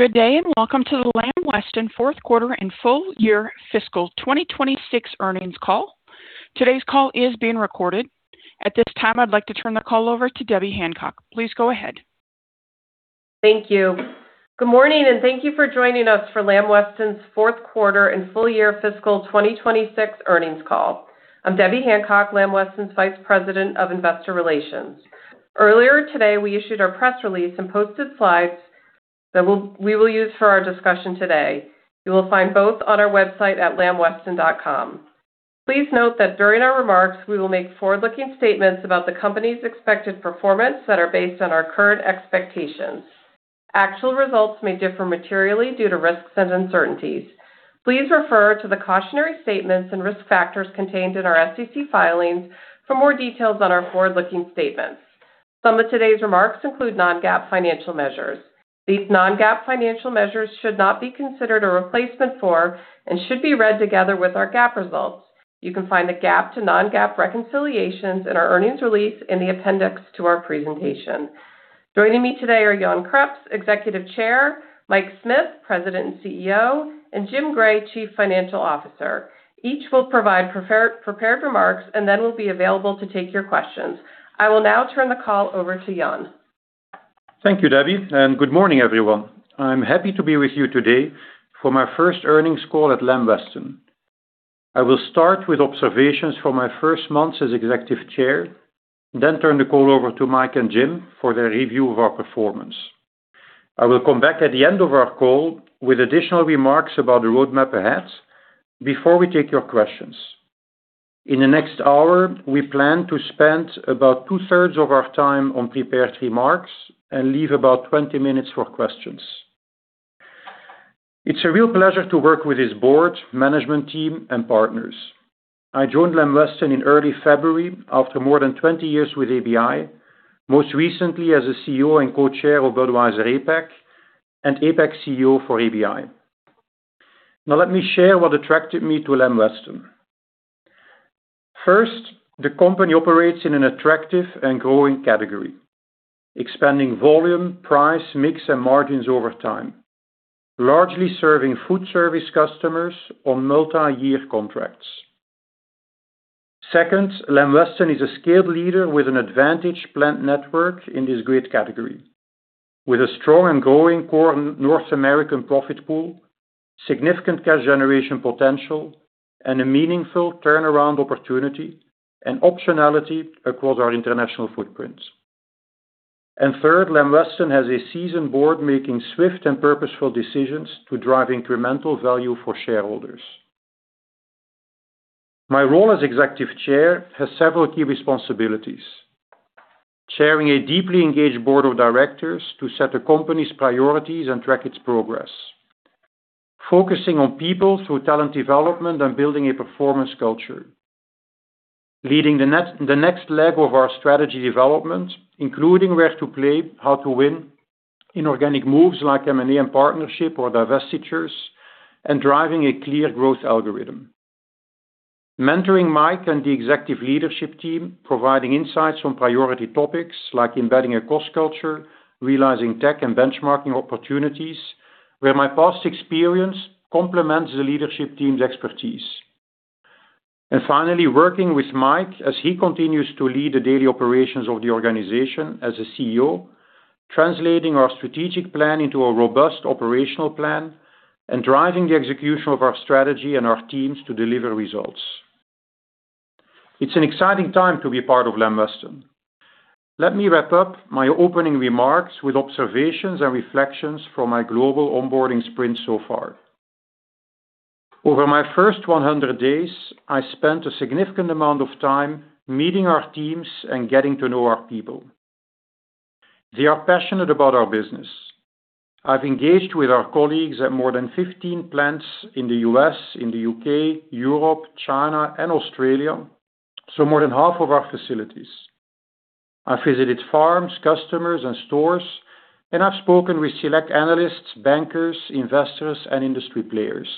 Good day, welcome to the Lamb Weston fourth quarter and full year fiscal 2026 earnings call. Today's call is being recorded. At this time, I'd like to turn the call over to Debbie Hancock. Please go ahead. Thank you. Good morning, thank you for joining us for Lamb Weston's fourth quarter and full year fiscal 2026 earnings call. I'm Debbie Hancock, Lamb Weston's Vice President of Investor Relations. Earlier today, we issued our press release and posted slides that we will use for our discussion today. You will find both on our website at lambweston.com. Please note that during our remarks, we will make forward-looking statements about the company's expected performance that are based on our current expectations. Actual results may differ materially due to risks and uncertainties. Please refer to the cautionary statements and risk factors contained in our SEC filings for more details on our forward-looking statements. Some of today's remarks include non-GAAP financial measures. These non-GAAP financial measures should not be considered a replacement for and should be read together with our GAAP results. You can find the GAAP to non-GAAP reconciliations in our earnings release in the appendix to our presentation. Joining me today are Jan Craps, Executive Chair, Mike Smith, President and CEO, Jim Gray, Chief Financial Officer. Each will provide prepared remarks then will be available to take your questions. I will now turn the call over to Jan. Thank you, Debbie, good morning, everyone. I'm happy to be with you today for my first earnings call at Lamb Weston. I will start with observations from my first month as Executive Chair, then turn the call over to Mike and Jim for their review of our performance. I will come back at the end of our call with additional remarks about the roadmap ahead before we take your questions. In the next hour, we plan to spend about two-thirds of our time on prepared remarks and leave about 20 minutes for questions. It's a real pleasure to work with this board, management team, and partners. I joined Lamb Weston in early February after more than 20 years with ABI, most recently as a CEO and co-chair of Budweiser APAC, and APAC CEO for ABI. Let me share what attracted me to Lamb Weston. First, the company operates in an attractive and growing category, expanding volume, price, mix, and margins over time, largely serving food service customers on multi-year contracts. Second, Lamb Weston is a scaled leader with an advantage plant network in this great category, with a strong and growing core North American profit pool, significant cash generation potential, and a meaningful turnaround opportunity and optionality across our international footprint. Third, Lamb Weston has a seasoned board making swift and purposeful decisions to drive incremental value for shareholders. My role as Executive Chair has several key responsibilities. Chairing a deeply engaged board of directors to set the company's priorities and track its progress. Focusing on people through talent development and building a performance culture. Leading the next leg of our strategy development, including where to play, how to win, inorganic moves like M&A and partnership or divestitures, and driving a clear growth algorithm. Mentoring Mike and the executive leadership team, providing insights on priority topics like embedding a cost culture, realizing tech and benchmarking opportunities, where my past experience complements the leadership team's expertise. Finally, working with Mike as he continues to lead the daily operations of the organization as a CEO, translating our strategic plan into a robust operational plan, and driving the execution of our strategy and our teams to deliver results. It's an exciting time to be part of Lamb Weston. Let me wrap up my opening remarks with observations and reflections from my global onboarding sprint so far. Over my first 100 days, I spent a significant amount of time meeting our teams and getting to know our people. They are passionate about our business. I've engaged with our colleagues at more than 15 plants in the U.S., in the U.K., Europe, China, and Australia, so more than half of our facilities. I visited farms, customers, and stores, and I've spoken with select analysts, bankers, investors, and industry players.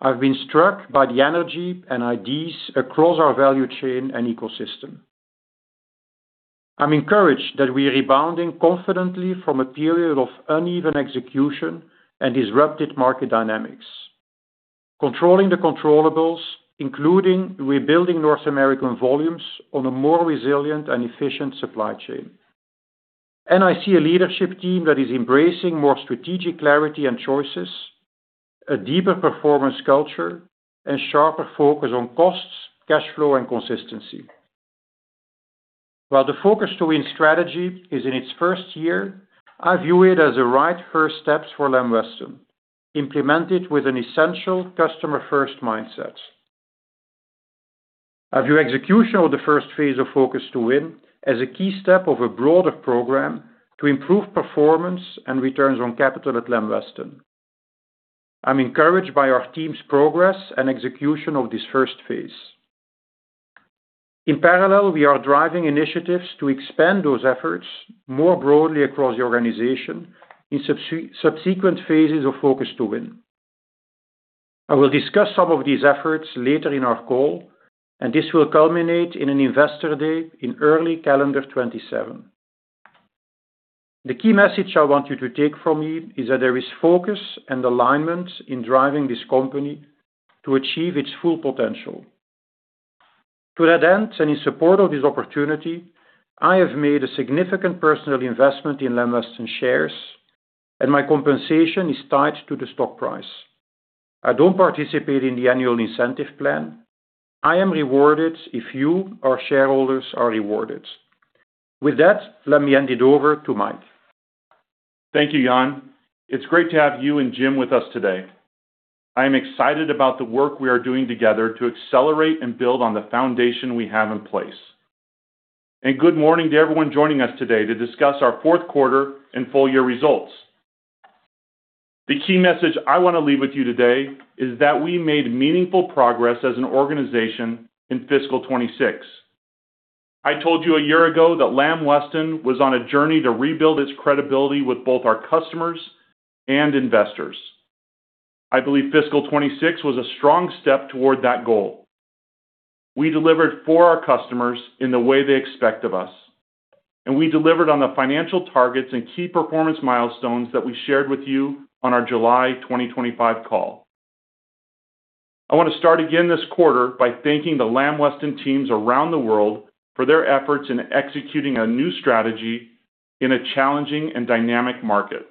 I've been struck by the energy and ideas across our value chain and ecosystem. I'm encouraged that we are rebounding confidently from a period of uneven execution and disrupted market dynamics, controlling the controllables, including rebuilding North American volumes on a more resilient and efficient supply chain. I see a leadership team that is embracing more strategic clarity and choices, a deeper performance culture, and sharper focus on costs, cash flow, and consistency. While the Focus to Win strategy is in its first year, I view it as the right first steps for Lamb Weston, implemented with an essential customer-first mindset. I view execution of the first phase of Focus to Win as a key step of a broader program to improve performance and returns on capital at Lamb Weston. I'm encouraged by our team's progress and execution of this first phase. In parallel, we are driving initiatives to expand those efforts more broadly across the organization in subsequent phases of Focus to Win. I will discuss some of these efforts later in our call, and this will culminate in an investor day in early calendar 2027. The key message I want you to take from me is that there is focus and alignment in driving this company to achieve its full potential. To that end, in support of this opportunity, I have made a significant personal investment in Lamb Weston shares and my compensation is tied to the stock price. I don't participate in the annual incentive plan. I am rewarded if you, our shareholders, are rewarded. With that, let me hand it over to Mike. Thank you, Jan. It's great to have you and Jim with us today. I am excited about the work we are doing together to accelerate and build on the foundation we have in place. Good morning to everyone joining us today to discuss our fourth quarter and full year results. The key message I want to leave with you today is that we made meaningful progress as an organization in fiscal 2026. I told you a year ago that Lamb Weston was on a journey to rebuild its credibility with both our customers and investors. I believe fiscal 2026 was a strong step toward that goal. We delivered for our customers in the way they expect of us, and we delivered on the financial targets and key performance milestones that we shared with you on our July 2025 call. I want to start again this quarter by thanking the Lamb Weston teams around the world for their efforts in executing a new strategy in a challenging and dynamic market.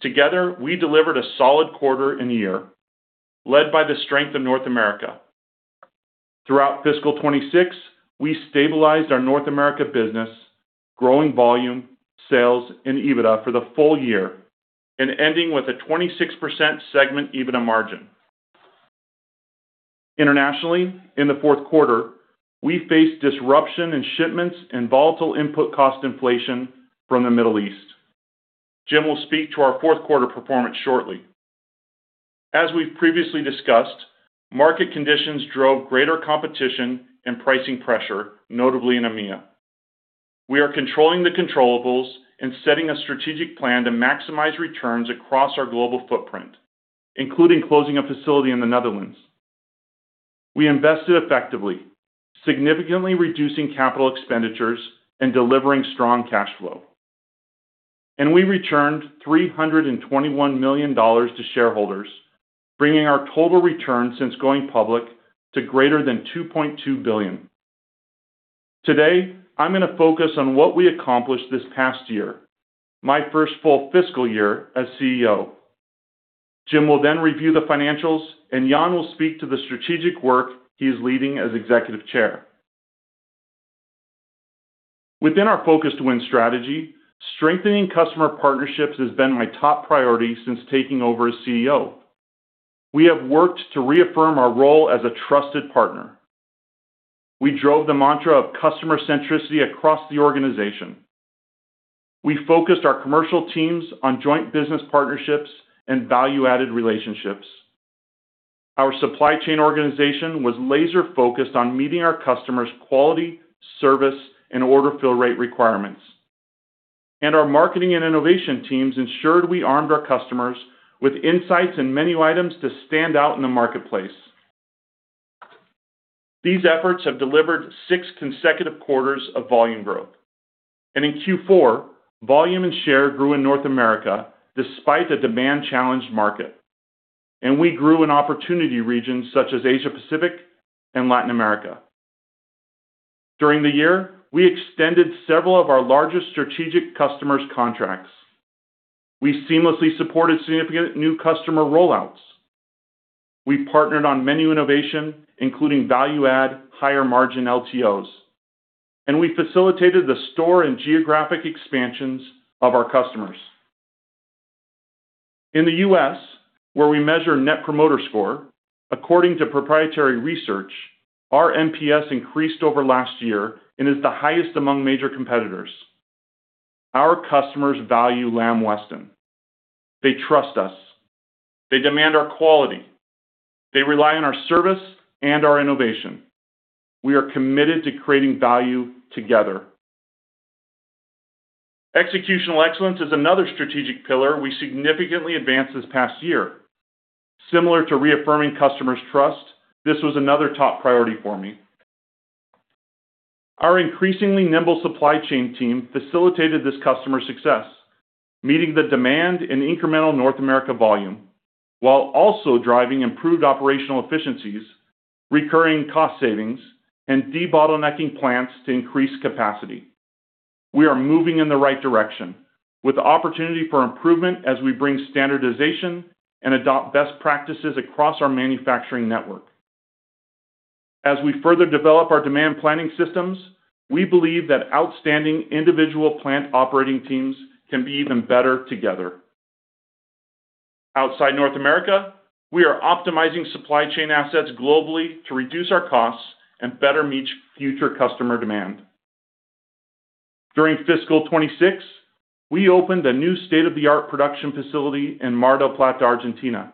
Together, we delivered a solid quarter and year, led by the strength of North America. Throughout fiscal 2026, we stabilized our North America business, growing volume, sales, and EBITDA for the full year, and ending with a 26% segment EBITDA margin. Internationally, in the fourth quarter, we faced disruption in shipments and volatile input cost inflation from the Middle East. Jim will speak to our fourth quarter performance shortly. As we've previously discussed, market conditions drove greater competition and pricing pressure, notably in EMEA. We are controlling the controllables and setting a strategic plan to maximize returns across our global footprint, including closing a facility in the Netherlands. We invested effectively, significantly reducing capital expenditures and delivering strong cash flow. We returned $321 million to shareholders, bringing our total return since going public to greater than $2.2 billion. Today, I'm going to focus on what we accomplished this past year, my first full fiscal year as CEO. Jim will then review the financials, Jan will speak to the strategic work he is leading as Executive Chair. Within our Focus to Win strategy, strengthening customer partnerships has been my top priority since taking over as CEO. We have worked to reaffirm our role as a trusted partner. We drove the mantra of customer centricity across the organization. We focused our commercial teams on joint business partnerships and value-added relationships. Our supply chain organization was laser-focused on meeting our customers' quality, service, and order fill rate requirements. Our marketing and innovation teams ensured we armed our customers with insights and menu items to stand out in the marketplace. These efforts have delivered six consecutive quarters of volume growth. In Q4, volume and share grew in North America despite a demand-challenged market. We grew in opportunity regions such as Asia Pacific and Latin America. During the year, we extended several of our largest strategic customers' contracts. We seamlessly supported significant new customer rollouts. We partnered on menu innovation, including value add, higher margin LTOs. We facilitated the store and geographic expansions of our customers. In the U.S., where we measure net promoter score, according to proprietary research, our NPS increased over last year and is the highest among major competitors. Our customers value Lamb Weston. They trust us. They demand our quality. They rely on our service and our innovation. We are committed to creating value together. Executional excellence is another strategic pillar we significantly advanced this past year. Similar to reaffirming customers' trust, this was another top priority for me. Our increasingly nimble supply chain team facilitated this customer success, meeting the demand in incremental North America volume while also driving improved operational efficiencies, recurring cost savings, and debottlenecking plants to increase capacity. We are moving in the right direction with the opportunity for improvement as we bring standardization and adopt best practices across our manufacturing network. As we further develop our demand planning systems, we believe that outstanding individual plant operating teams can be even better together. Outside North America, we are optimizing supply chain assets globally to reduce our costs and better meet future customer demand. During fiscal 2026, we opened a new state-of-the-art production facility in Mar del Plata, Argentina.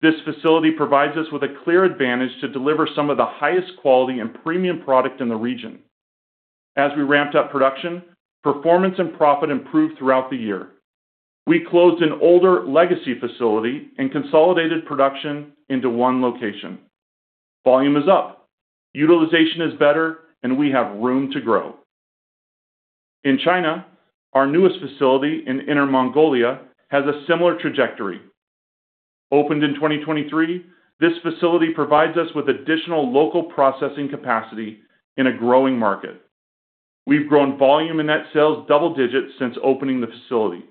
This facility provides us with a clear advantage to deliver some of the highest quality and premium product in the region. As we ramped up production, performance and profit improved throughout the year. We closed an older legacy facility and consolidated production into one location. Volume is up, utilization is better, and we have room to grow. In China, our newest facility in Inner Mongolia has a similar trajectory. Opened in 2023, this facility provides us with additional local processing capacity in a growing market. We've grown volume and net sales double digits since opening the facility.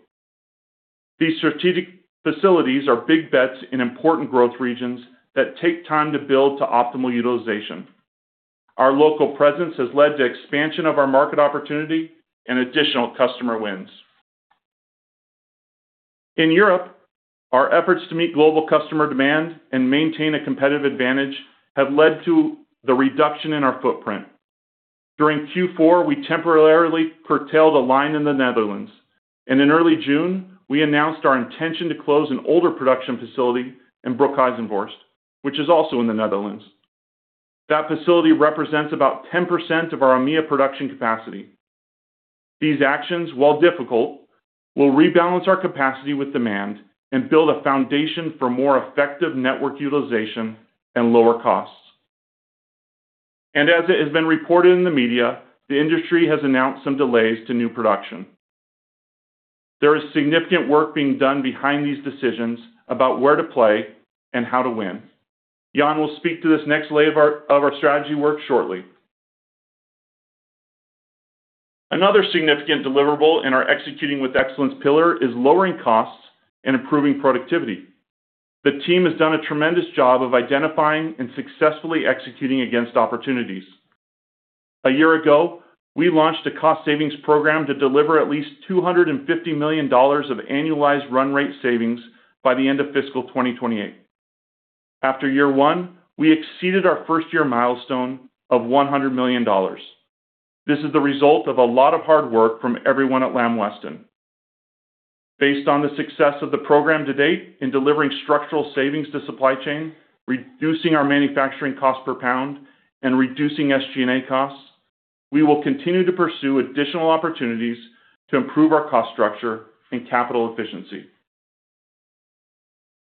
These strategic facilities are big bets in important growth regions that take time to build to optimal utilization. Our local presence has led to expansion of our market opportunity and additional customer wins. In Europe, our efforts to meet global customer demand and maintain a competitive advantage have led to the reduction in our footprint. During Q4, we temporarily curtailed a line in the Netherlands. In early June, we announced our intention to close an older production facility in Broekhuizenvorst, which is also in the Netherlands. That facility represents about 10% of our EMEA production capacity. These actions, while difficult, will rebalance our capacity with demand and build a foundation for more effective network utilization and lower costs. As it has been reported in the media, the industry has announced some delays to new production. There is significant work being done behind these decisions about where to play and how to win. Jan will speak to this next layer of our strategy work shortly. Another significant deliverable in our Executing with Excellence pillar is lowering costs and improving productivity. The team has done a tremendous job of identifying and successfully executing against opportunities. A year ago, we launched a cost savings program to deliver at least $250 million of annualized run rate savings by the end of fiscal 2028. After year one, we exceeded our first-year milestone of $100 million. This is the result of a lot of hard work from everyone at Lamb Weston. Based on the success of the program to date in delivering structural savings to supply chain, reducing our manufacturing cost per pound, and reducing SG&A costs, we will continue to pursue additional opportunities to improve our cost structure and capital efficiency.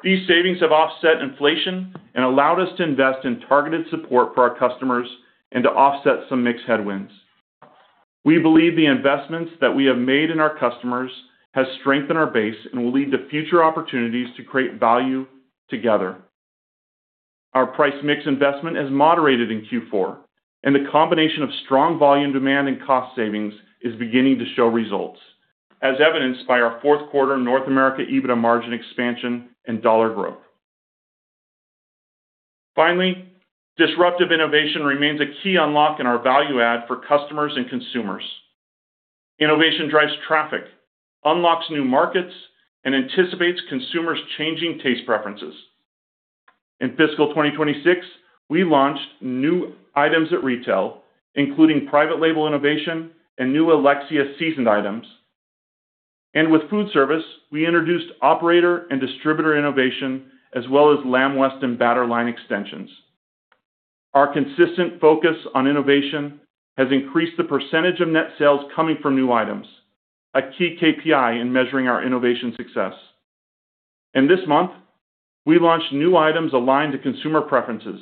These savings have offset inflation and allowed us to invest in targeted support for our customers and to offset some mix headwinds. We believe the investments that we have made in our customers has strengthened our base and will lead to future opportunities to create value together. Our price mix investment has moderated in Q4, and the combination of strong volume demand and cost savings is beginning to show results, as evidenced by our fourth quarter North America EBITDA margin expansion and dollar growth. Finally, disruptive innovation remains a key unlock in our value add for customers and consumers. Innovation drives traffic, unlocks new markets, and anticipates consumers' changing taste preferences. In fiscal 2026, we launched new items at retail, including private label innovation and new Alexia seasoned items. With food service, we introduced operator and distributor innovation, as well as Lamb Weston batter line extensions. Our consistent focus on innovation has increased the percentage of net sales coming from new items, a key KPI in measuring our innovation success. This month, we launched new items aligned to consumer preferences,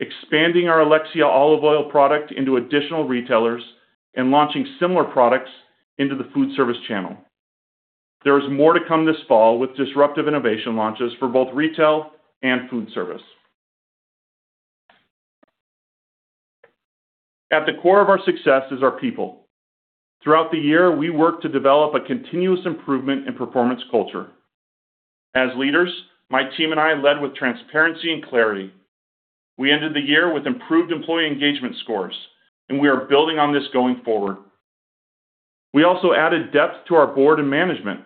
expanding our Alexia olive oil product into additional retailers and launching similar products into the food service channel. There is more to come this fall with disruptive innovation launches for both retail and food service. At the core of our success is our people. Throughout the year, we worked to develop a continuous improvement in performance culture. As leaders, my team and I led with transparency and clarity. We ended the year with improved employee engagement scores, and we are building on this going forward. We also added depth to our board and management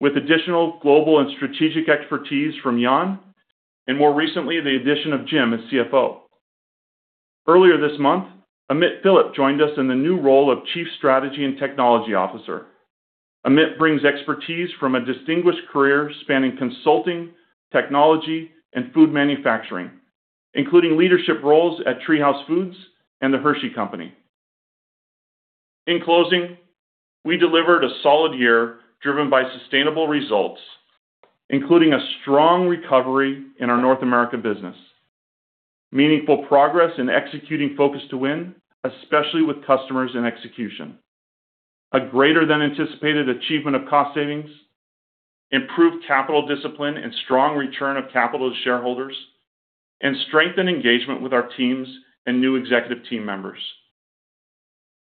with additional global and strategic expertise from Jan, and more recently, the addition of Jim as CFO. Earlier this month, Amit Philip joined us in the new role of Chief Strategy and Technology Officer. Amit brings expertise from a distinguished career spanning consulting, technology, and food manufacturing, including leadership roles at TreeHouse Foods and The Hershey Company. In closing, we delivered a solid year driven by sustainable results, including a strong recovery in our North America business, meaningful progress in executing Focus to Win, especially with customers and execution, a greater than anticipated achievement of cost savings, improved capital discipline and strong return of capital to shareholders, and strengthened engagement with our teams and new executive team members.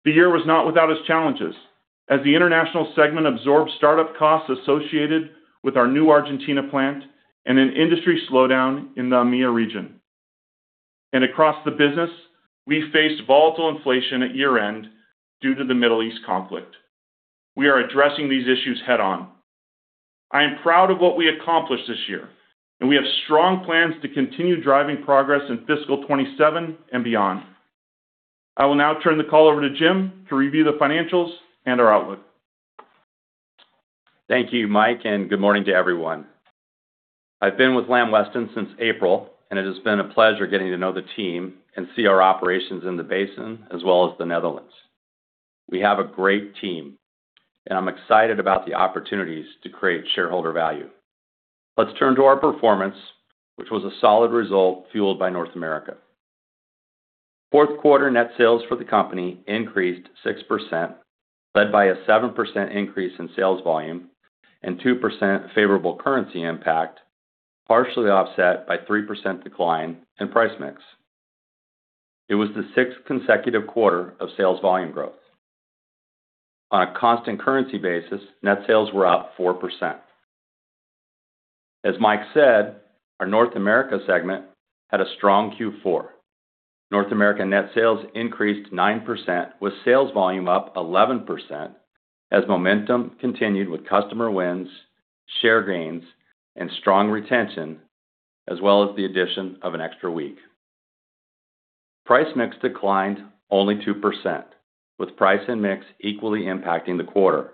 The year was not without its challenges, as the international segment absorbed startup costs associated with our new Argentina plant and an industry slowdown in the EMEA region. Across the business, we faced volatile inflation at year-end due to the Middle East conflict. We are addressing these issues head-on. I am proud of what we accomplished this year, we have strong plans to continue driving progress in fiscal 2027 and beyond. I will now turn the call over to Jim to review the financials and our outlook. Thank you, Mike, good morning to everyone. I've been with Lamb Weston since April, it has been a pleasure getting to know the team and see our operations in the basin as well as the Netherlands. We have a great team, I'm excited about the opportunities to create shareholder value. Let's turn to our performance, which was a solid result fueled by North America. Fourth quarter net sales for the company increased 6%, led by a 7% increase in sales volume and 2% favorable currency impact, partially offset by 3% decline in price mix. It was the sixth consecutive quarter of sales volume growth. On a constant currency basis, net sales were up 4%. As Mike said, our North America segment had a strong Q4. North America net sales increased 9% with sales volume up 11% as momentum continued with customer wins, share gains and strong retention, as well as the addition of an extra week. Price mix declined only 2%, with price and mix equally impacting the quarter.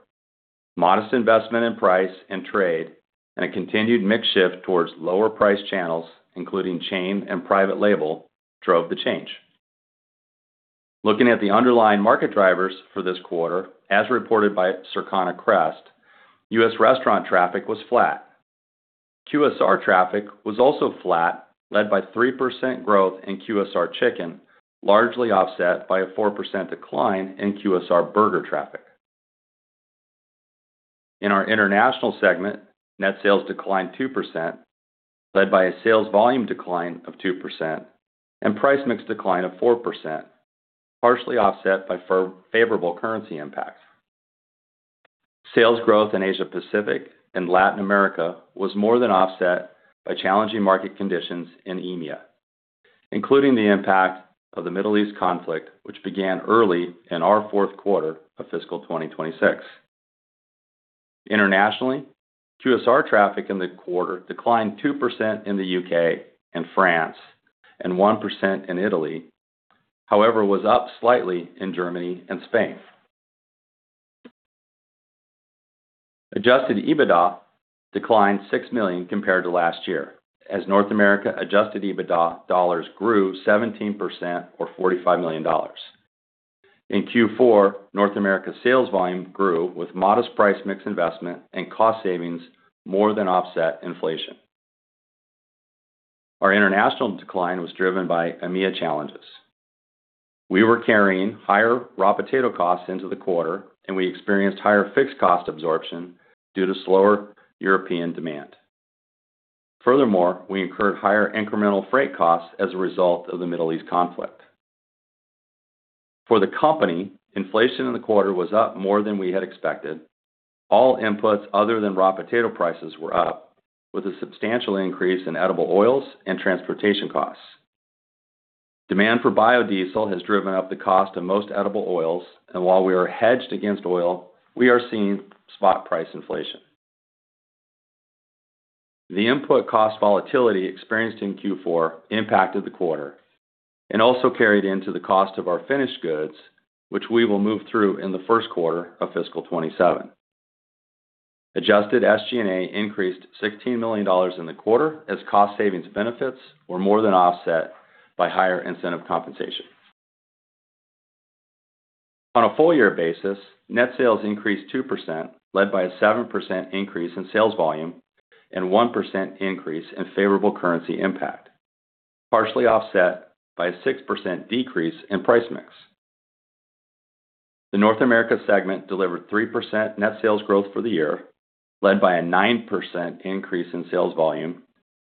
Modest investment in price and trade, a continued mix shift towards lower price channels, including chain and private label, drove the change. Looking at the underlying market drivers for this quarter, as reported by Circana Crest, U.S. restaurant traffic was flat. QSR traffic was also flat, led by 3% growth in QSR chicken, largely offset by a 4% decline in QSR burger traffic. In our international segment, net sales declined 2%, led by a sales volume decline of 2%, price mix decline of 4%, partially offset by favorable currency impacts. Sales growth in Asia-Pacific and Latin America was more than offset by challenging market conditions in EMEA, including the impact of the Middle East conflict, which began early in our fourth quarter of fiscal 2026. Internationally, QSR traffic in the quarter declined 2% in the U.K. and France, 1% in Italy, however, was up slightly in Germany and Spain. Adjusted EBITDA declined $6 million compared to last year, as North America adjusted EBITDA dollars grew 17% or $45 million. In Q4, North America sales volume grew with modest price mix investment and cost savings more than offset inflation. Our international decline was driven by EMEA challenges. We were carrying higher raw potato costs into the quarter, we experienced higher fixed cost absorption due to slower European demand. Furthermore, we incurred higher incremental freight costs as a result of the Middle East conflict. For the company, inflation in the quarter was up more than we had expected. All inputs other than raw potato prices were up with a substantial increase in edible oils and transportation costs. Demand for biodiesel has driven up the cost of most edible oils, and while we are hedged against oil, we are seeing spot price inflation. The input cost volatility experienced in Q4 impacted the quarter and also carried into the cost of our finished goods, which we will move through in the first quarter of fiscal 2027. Adjusted SG&A increased $16 million in the quarter as cost savings benefits were more than offset by higher incentive compensation. On a full-year basis, net sales increased 2%, led by a 7% increase in sales volume and 1% increase in favorable currency impact, partially offset by a 6% decrease in price mix. The North America segment delivered 3% net sales growth for the year, led by a 9% increase in sales volume,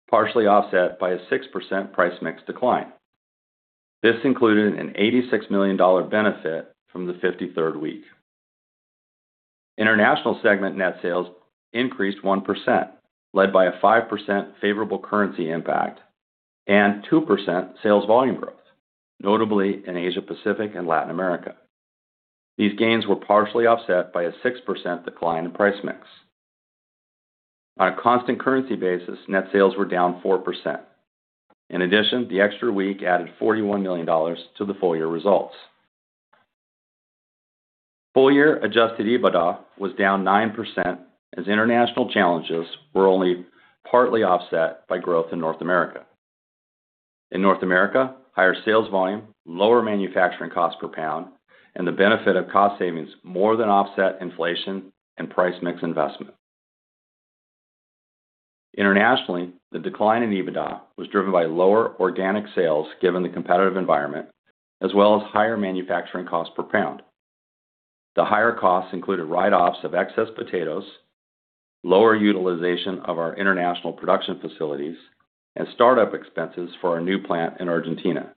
partially offset by a 6% price mix decline. This included an $86 million benefit from the 53rd week. International segment net sales increased 1%, led by a 5% favorable currency impact and 2% sales volume growth, notably in Asia-Pacific and Latin America. These gains were partially offset by a 6% decline in price mix. On a constant currency basis, net sales were down 4%. In addition, the extra week added $41 million to the full year results. Full year adjusted EBITDA was down 9% as international challenges were only partly offset by growth in North America. In North America, higher sales volume, lower manufacturing cost per pound, and the benefit of cost savings more than offset inflation and price mix investment. Internationally, the decline in EBITDA was driven by lower organic sales given the competitive environment as well as higher manufacturing cost per pound. The higher costs included write-offs of excess potatoes, lower utilization of our international production facilities and startup expenses for our new plant in Argentina.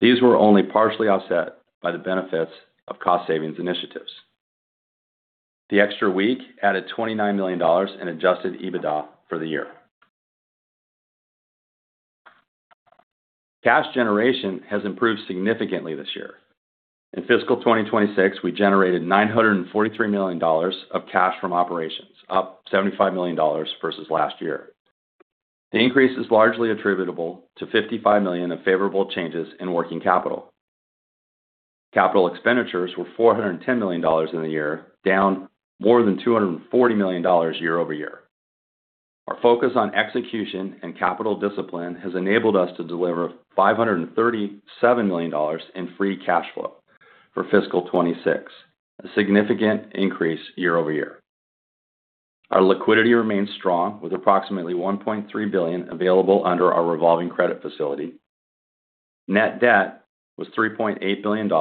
These were only partially offset by the benefits of cost savings initiatives. The extra week added $29 million in adjusted EBITDA for the year. Cash generation has improved significantly this year. In fiscal 2026, we generated $943 million of cash from operations up $75 million versus last year. The increase is largely attributable to $55 million of favorable changes in working capital. Capital expenditures were $410 million in the year, down more than $240 million year-over-year. Our focus on execution and capital discipline has enabled us to deliver $537 million in free cash flow for fiscal 2026, a significant increase year-over-year. Our liquidity remains strong with approximately $1.3 billion available under our revolving credit facility. Net debt was $3.8 billion,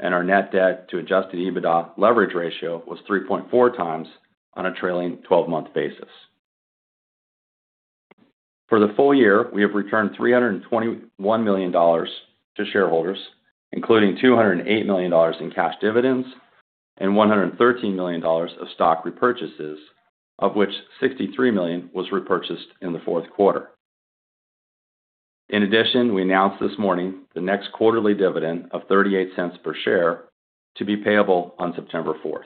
and our net debt to adjusted EBITDA leverage ratio was 3.4 times on a trailing 12-month basis. For the full year, we have returned $321 million to shareholders, including $208 million in cash dividends and $113 million of stock repurchases, of which $63 million was repurchased in the fourth quarter. In addition, we announced this morning the next quarterly dividend of $0.38 per share to be payable on September 4th.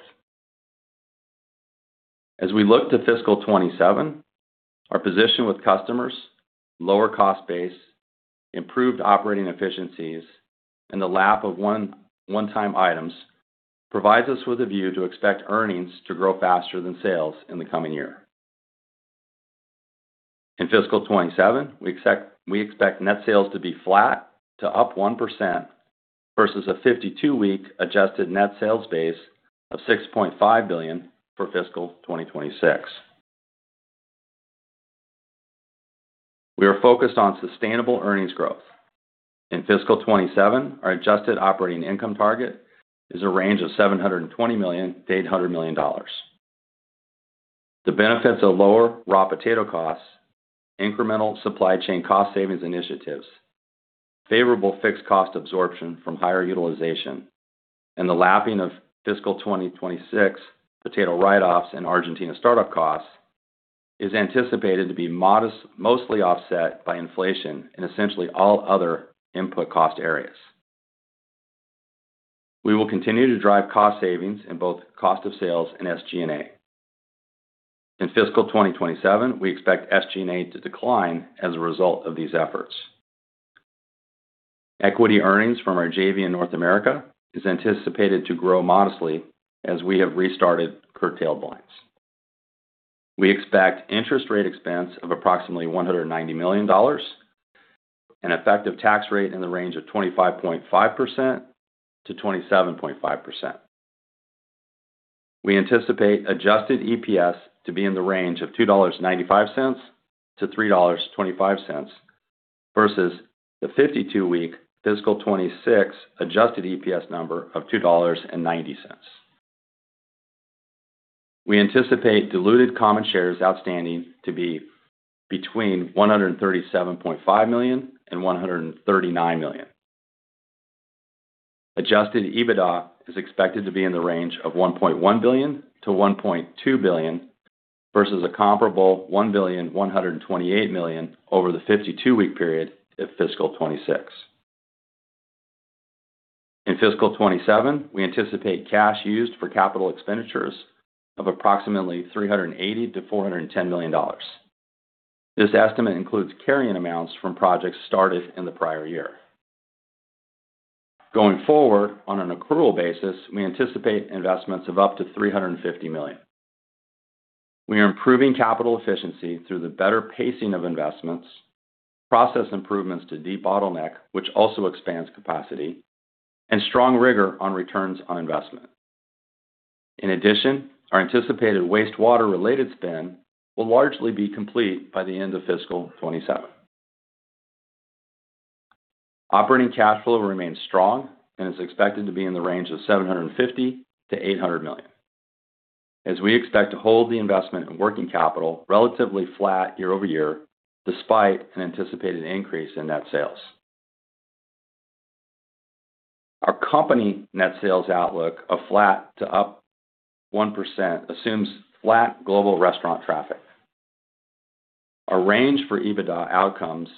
As we look to fiscal 2027, our position with customers, lower cost base, improved operating efficiencies, and the lap of one-time items provides us with a view to expect earnings to grow faster than sales in the coming year. In fiscal 2027, we expect net sales to be flat to up 1% versus a 52-week adjusted net sales base of $6.5 billion for fiscal 2026. We are focused on sustainable earnings growth. In fiscal 2027, our adjusted operating income target is a range of $720 million to $800 million. The benefits of lower raw potato costs, incremental supply chain cost savings initiatives, favorable fixed cost absorption from higher utilization, and the lapping of fiscal 2026 potato write-offs and Argentina startup costs is anticipated to be mostly offset by inflation in essentially all other input cost areas. We will continue to drive cost savings in both cost of sales and SG&A. In fiscal 2027, we expect SG&A to decline as a result of these efforts. Equity earnings from our JV in North America is anticipated to grow modestly as we have restarted curtailed lines. We expect interest rate expense of approximately $190 million, an effective tax rate in the range of 25.5%-27.5%. We anticipate adjusted EPS to be in the range of $2.95-$3.25, versus the 52-week fiscal 2026 adjusted EPS number of $2.90. We anticipate diluted common shares outstanding to be between 137.5 million and 139 million. Adjusted EBITDA is expected to be in the range of $1.1 billion to $1.2 billion versus a comparable $1,128,000,000 over the 52-week period of fiscal 2026. In fiscal 2027, we anticipate cash used for capital expenditures of approximately $380 million to $410 million. This estimate includes carrying amounts from projects started in the prior year. Going forward, on an accrual basis, we anticipate investments of up to $350 million. We are improving capital efficiency through the better pacing of investments, process improvements to debottleneck, which also expands capacity, and strong rigor on returns on investment. In addition, our anticipated wastewater related spend will largely be complete by the end of fiscal 2027. Operating cash flow remains strong and is expected to be in the range of $750 million to $800 million, as we expect to hold the investment in working capital relatively flat year-over-year, despite an anticipated increase in net sales. Our company net sales outlook of flat to up 1% assumes flat global restaurant traffic. Our range for EBITDA outcomes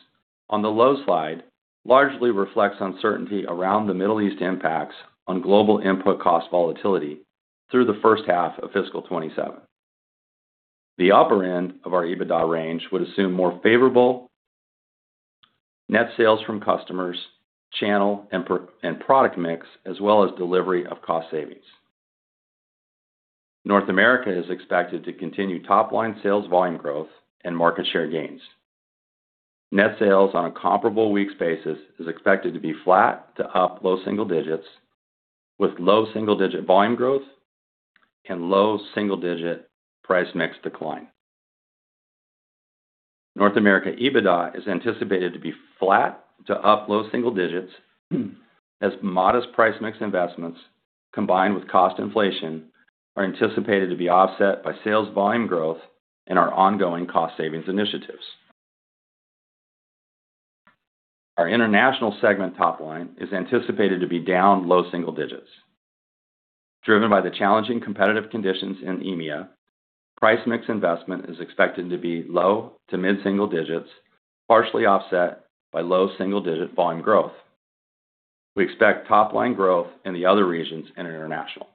on the low slide largely reflects uncertainty around the Middle East impacts on global input cost volatility through the first half of fiscal 2027. The upper end of our EBITDA range would assume more favorable net sales from customers, channel, and product mix, as well as delivery of cost savings. North America is expected to continue top-line sales volume growth and market share gains. Net sales on a comparable week basis is expected to be flat to up low single digits with low single-digit volume growth and low single-digit price mix decline. North America EBITDA is anticipated to be flat to up low single digits as modest price mix investments, combined with cost inflation, are anticipated to be offset by sales volume growth and our ongoing cost savings initiatives. Our international segment top line is anticipated to be down low single digits, driven by the challenging competitive conditions in EMEA. Price mix investment is expected to be low to mid-single digits, partially offset by low single-digit volume growth. We expect top-line growth in the other regions in international.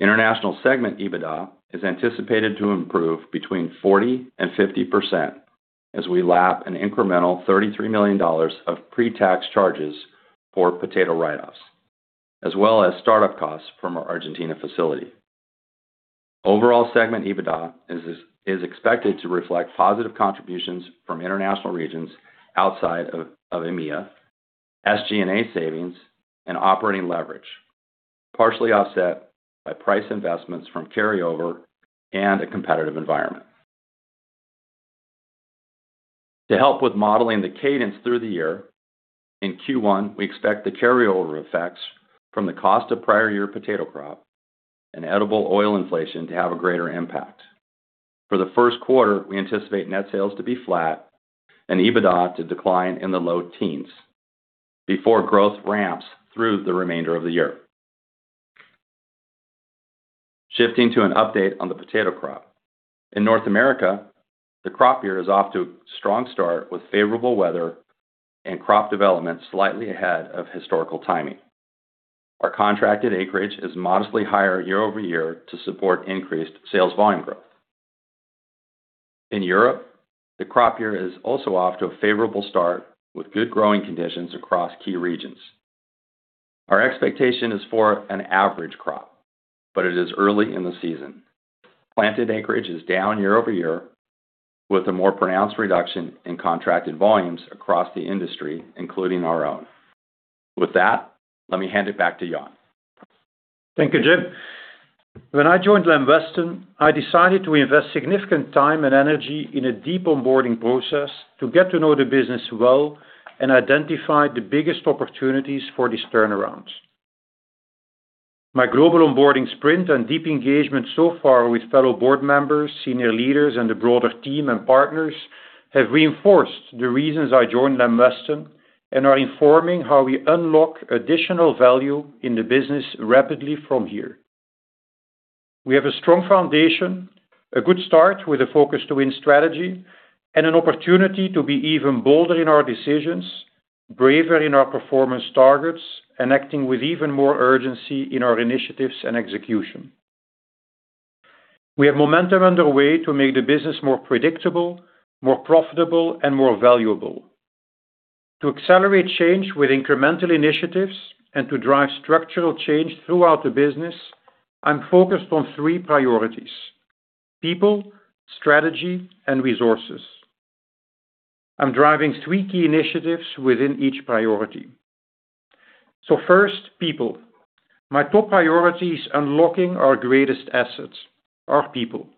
International segment EBITDA is anticipated to improve between 40%-50% as we lap an incremental $33 million of pre-tax charges for potato write-offs, as well as start-up costs from our Argentina facility. Overall segment EBITDA is expected to reflect positive contributions from international regions outside of EMEA, SG&A savings, and operating leverage, partially offset by price investments from carryover and a competitive environment. To help with modeling the cadence through the year, in Q1, we expect the carryover effects from the cost of prior year potato crop and edible oil inflation to have a greater impact. For the first quarter, we anticipate net sales to be flat and EBITDA to decline in the low teens before growth ramps through the remainder of the year. Shifting to an update on the potato crop. In North America, the crop year is off to a strong start with favorable weather and crop development slightly ahead of historical timing. Our contracted acreage is modestly higher year-over-year to support increased sales volume growth. In Europe, the crop year is also off to a favorable start with good growing conditions across key regions. Our expectation is for an average crop, but it is early in the season. Planted acreage is down year-over-year with a more pronounced reduction in contracted volumes across the industry, including our own. With that, let me hand it back to Jan. Thank you, Jim. When I joined Lamb Weston, I decided to invest significant time and energy in a deep onboarding process to get to know the business well and identify the biggest opportunities for this turnaround. My global onboarding sprint and deep engagement so far with fellow board members, senior leaders, and the broader team and partners, have reinforced the reasons I joined Lamb Weston and are informing how we unlock additional value in the business rapidly from here. We have a strong foundation, a good start with a Focus to Win strategy, and an opportunity to be even bolder in our decisions, braver in our performance targets, and acting with even more urgency in our initiatives and execution. We have momentum underway to make the business more predictable, more profitable, and more valuable. To accelerate change with incremental initiatives and to drive structural change throughout the business, I'm focused on three priorities: people, strategy, and resources. I'm driving three key initiatives within each priority. First, people. My top priority is unlocking our greatest assets, our people.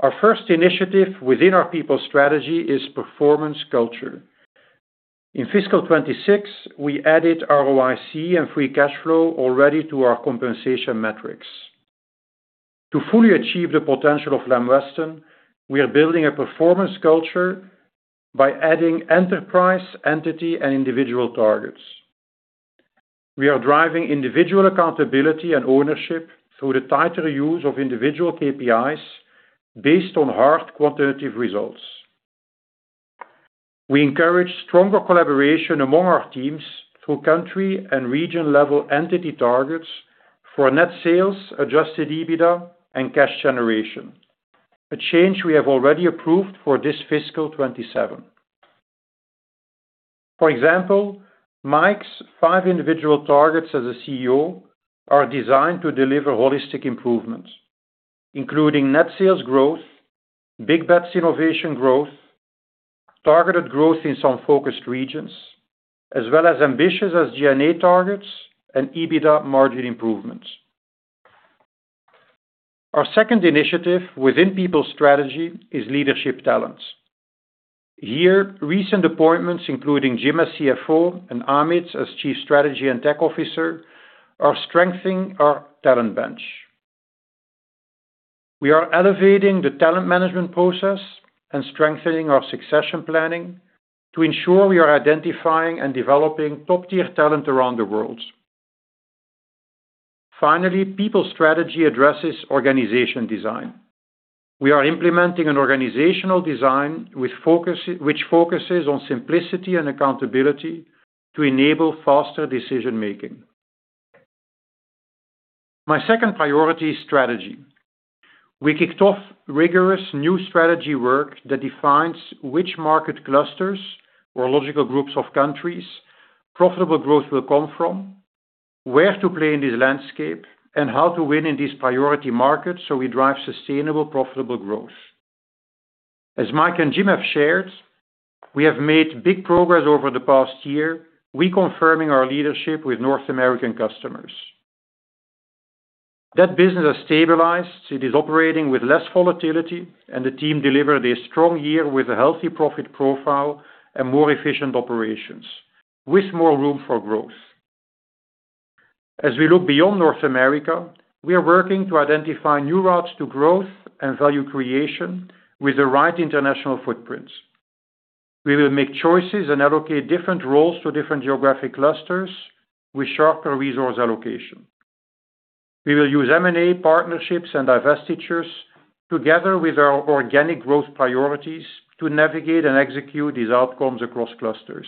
Our first initiative within our people strategy is performance culture. In fiscal 2026, we added ROIC and free cash flow already to our compensation metrics. To fully achieve the potential of Lamb Weston, we are building a performance culture by adding enterprise, entity, and individual targets. We are driving individual accountability and ownership through the tighter use of individual KPIs based on hard quantitative results. We encourage stronger collaboration among our teams through country and region-level entity targets for net sales, adjusted EBITDA, and cash generation, a change we have already approved for this fiscal 2027. For example, Mike's five individual targets as a CEO are designed to deliver holistic improvements, including net sales growth, big bets innovation growth, targeted growth in some focused regions, as well as ambitious SG&A targets and EBITDA margin improvements. Our second initiative within people strategy is leadership talent. Here, recent appointments, including Jim as CFO and Amit as Chief Strategy and Tech Officer, are strengthening our talent bench. We are elevating the talent management process and strengthening our succession planning to ensure we are identifying and developing top-tier talent around the world. Finally, people strategy addresses organization design. We are implementing an organizational design which focuses on simplicity and accountability to enable faster decision-making. My second priority is strategy. We kicked off rigorous new strategy work that defines which market clusters or logical groups of countries profitable growth will come from, where to play in this landscape, and how to win in these priority markets. We drive sustainable profitable growth. As Mike and Jim have shared, we have made big progress over the past year, reconfirming our leadership with North American customers. That business has stabilized. It is operating with less volatility, and the team delivered a strong year with a healthy profit profile and more efficient operations with more room for growth. As we look beyond North America, we are working to identify new routes to growth and value creation with the right international footprints. We will make choices and allocate different roles to different geographic clusters with sharper resource allocation. We will use M&A partnerships and divestitures together with our organic growth priorities to navigate and execute these outcomes across clusters.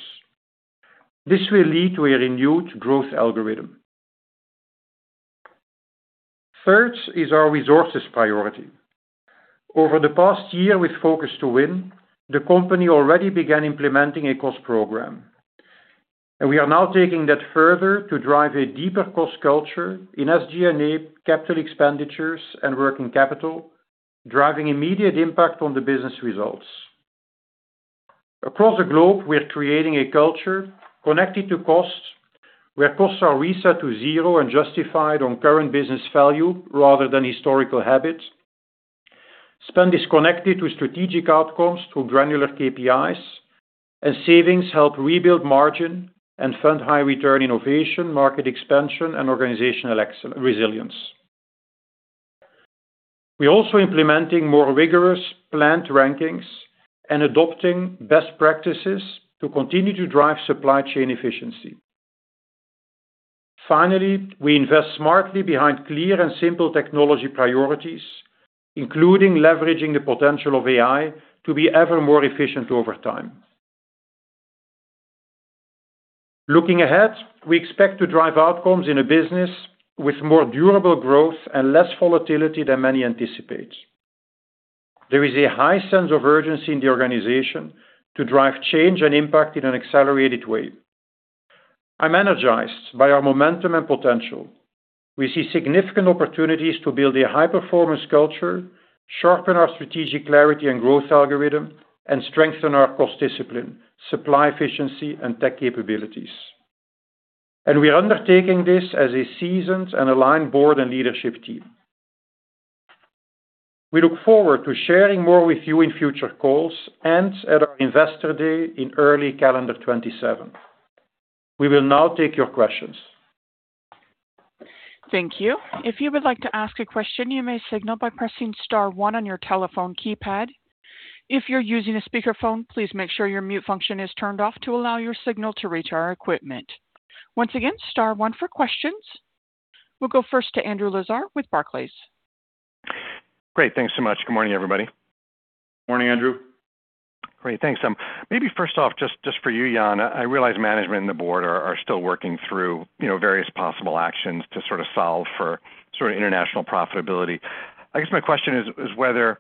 This will lead to a renewed growth algorithm. Third is our resources priority. Over the past year with Focus to Win, the company already began implementing a cost program. We are now taking that further to drive a deeper cost culture in SG&A capital expenditures and working capital, driving immediate impact on the business results. Across the globe, we are creating a culture connected to cost, where costs are reset to zero and justified on current business value rather than historical habits. Spend is connected to strategic outcomes through granular KPIs, and savings help rebuild margin and fund high return innovation, market expansion, and organizational resilience. We're also implementing more rigorous plant rankings and adopting best practices to continue to drive supply chain efficiency. Finally, we invest smartly behind clear and simple technology priorities, including leveraging the potential of AI to be ever more efficient over time. Looking ahead, we expect to drive outcomes in a business with more durable growth and less volatility than many anticipate. There is a high sense of urgency in the organization to drive change and impact in an accelerated way. I'm energized by our momentum and potential. We see significant opportunities to build a high-performance culture, sharpen our strategic clarity and growth algorithm, and strengthen our cost discipline, supply efficiency, and tech capabilities. We are undertaking this as a seasoned and aligned board and leadership team. We look forward to sharing more with you in future calls and at our Investor Day in early calendar 2027. We will now take your questions. Thank you. If you would like to ask a question, you may signal by pressing star one on your telephone keypad. If you're using a speakerphone, please make sure your mute function is turned off to allow your signal to reach our equipment. Once again, star one for questions. We'll go first to Andrew Lazar with Barclays. Great. Thanks so much. Good morning, everybody. Morning, Andrew. Great. Thanks. Maybe first off, just for you, Jan, I realize management and the board are still working through various possible actions to sort of solve for international profitability. I guess my question is whether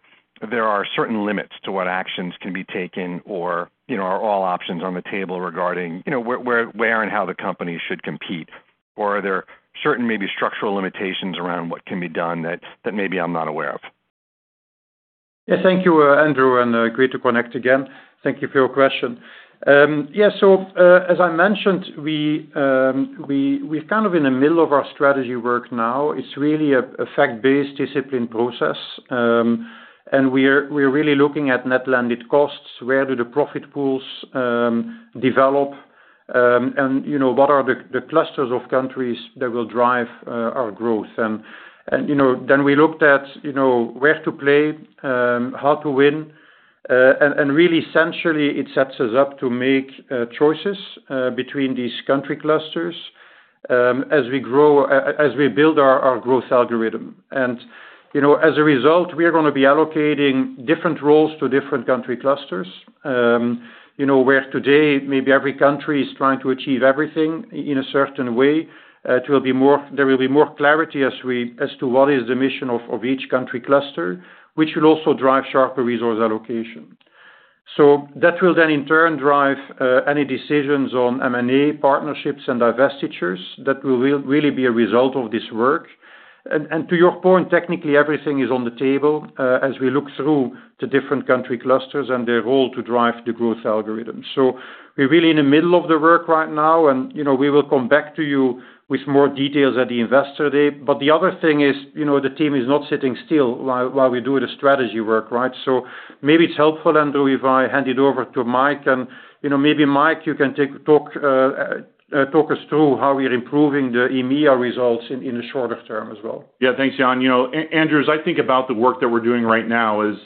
there are certain limits to what actions can be taken or are all options on the table regarding where and how the company should compete? Are there certain, maybe structural limitations around what can be done that maybe I'm not aware of? Thank you, Andrew, and great to connect again. Thank you for your question. As I mentioned, we're kind of in the middle of our strategy work now. It's really a fact-based discipline process, and we're really looking at net landed costs, where do the profit pools develop, and what are the clusters of countries that will drive our growth. We looked at where to play, how to win, and really centrally, it sets us up to make choices between these country clusters as we build our growth algorithm. As a result, we are going to be allocating different roles to different country clusters, where today, maybe every country is trying to achieve everything in a certain way. There will be more clarity as to what is the mission of each country cluster, which will also drive sharper resource allocation. That will then, in turn, drive any decisions on M&A partnerships and divestitures that will really be a result of this work. To your point, technically, everything is on the table as we look through the different country clusters and their role to drive the growth algorithm. We're really in the middle of the work right now, and we will come back to you with more details at the Investor Day. The other thing is, the team is not sitting still while we do the strategy work. Maybe it's helpful, Andrew, if I hand it over to Mike and, maybe Mike, you can talk us through how we are improving the EMEA results in the shorter term as well. Thanks, Jan. Andrew, as I think about the work that we're doing right now, as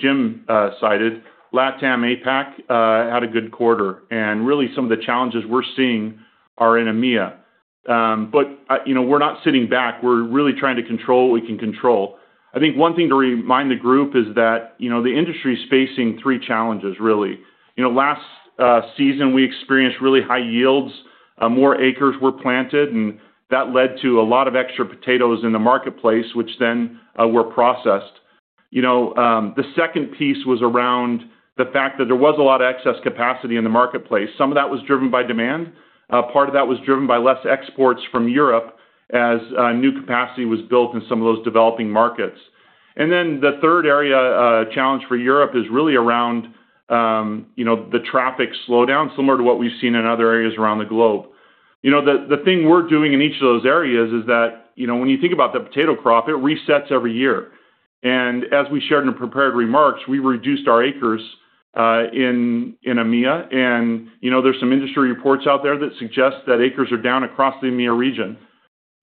Jim cited, LATAM, APAC, had a good quarter, and really some of the challenges we're seeing are in EMEA. We're not sitting back. We're really trying to control what we can control. I think one thing to remind the group is that, the industry is facing three challenges, really. Last season, we experienced really high yields. More acres were planted, and that led to a lot of extra potatoes in the marketplace, which then were processed. The second piece was around the fact that there was a lot of excess capacity in the marketplace. Some of that was driven by demand. Part of that was driven by less exports from Europe as new capacity was built in some of those developing markets. The third area, challenge for Europe is really around the traffic slowdown, similar to what we've seen in other areas around the globe. The thing we're doing in each of those areas is that, when you think about the potato crop, it resets every year. As we shared in the prepared remarks, we reduced our acres in EMEA, and there's some industry reports out there that suggest that acres are down across the EMEA region.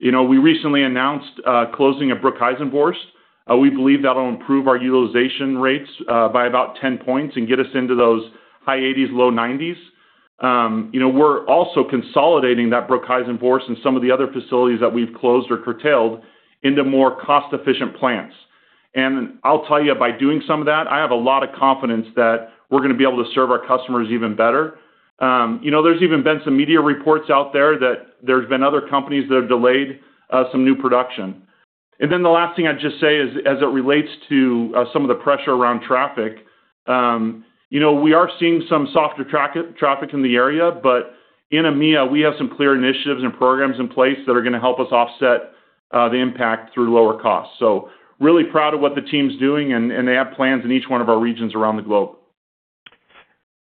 We recently announced closing at Broekhuizenvorst. We believe that'll improve our utilization rates by about 10 points and get us into those high 80s, low 90s. We're also consolidating that Broekhuizenvorst and some of the other facilities that we've closed or curtailed into more cost-efficient plants. I'll tell you, by doing some of that, I have a lot of confidence that we're going to be able to serve our customers even better. There's even been some media reports out there that there's been other companies that have delayed some new production. The last thing I'd just say is as it relates to some of the pressure around traffic, we are seeing some softer traffic in the area, but in EMEA, we have some clear initiatives and programs in place that are going to help us offset the impact through lower costs. Really proud of what the team's doing, and they have plans in each one of our regions around the globe.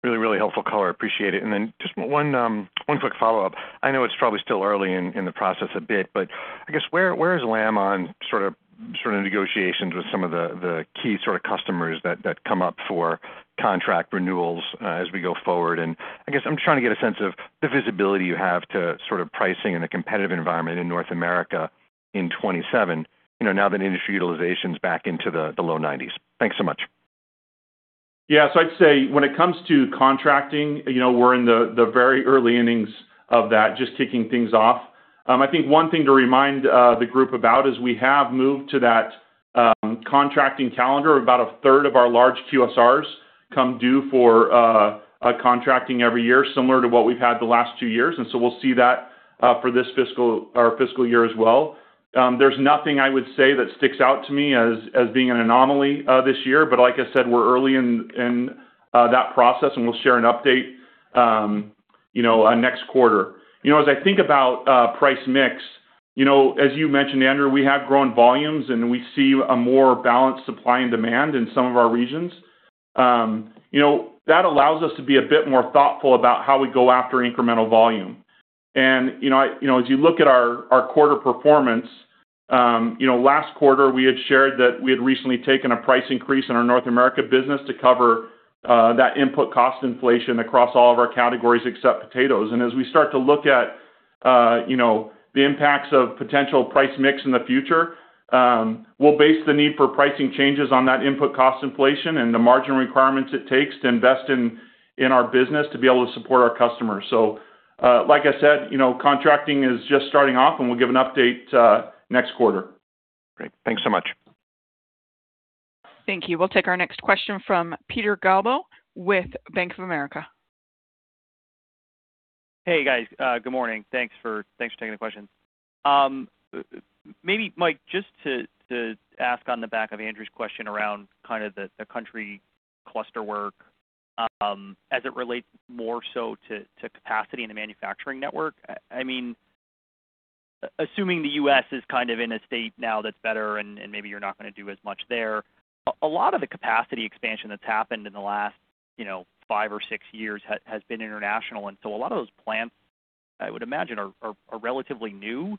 Really, really helpful color. Appreciate it. Just one quick follow-up. I know it's probably still early in the process a bit, but I guess where is Lamb on negotiations with some of the key customers that come up for contract renewals as we go forward? I guess I'm trying to get a sense of the visibility you have to pricing in a competitive environment in North America in 2027, now that industry utilization's back into the low 90s. Thanks so much. I'd say when it comes to contracting, we're in the very early innings of that, just kicking things off. I think one thing to remind the group about is we have moved to that contracting calendar. About a third of our large QSRs come due for contracting every year, similar to what we've had the last two years, we'll see that for this fiscal year as well. There's nothing I would say that sticks out to me as being an anomaly this year, but like I said, we're early in that process, and we'll share an update next quarter. As I think about price mix, as you mentioned, Andrew, we have grown volumes, and we see a more balanced supply and demand in some of our regions. That allows us to be a bit more thoughtful about how we go after incremental volume. As you look at our quarter performance, last quarter, we had shared that we had recently taken a price increase in our North America business to cover that input cost inflation across all of our categories except potatoes. As we start to look at the impacts of potential price mix in the future, we'll base the need for pricing changes on that input cost inflation and the margin requirements it takes to invest in our business to be able to support our customers. Like I said, contracting is just starting off, and we'll give an update next quarter. Great. Thanks so much. Thank you. We'll take our next question from Peter Galbo with Bank of America. Hey, guys. Good morning. Thanks for taking the questions. Maybe, Mike, just to ask on the back of Andrew's question around the country cluster work as it relates more so to capacity in the manufacturing network. Assuming the U.S. is in a state now that's better and maybe you're not going to do as much there, a lot of the capacity expansion that's happened in the last five or six years has been international, and so a lot of those plants, I would imagine, are relatively new.